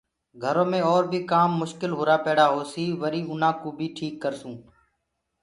گھرو مي اور بيٚ ڪآم مشڪل هرآ پيڙآ هوسيٚ وريٚ آنآ ڪو بيٚ تو ٽيٽ ڪرسونٚ